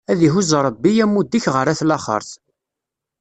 Ad ihuzz Ṛebbi, amud-ik ɣer at laxeṛt!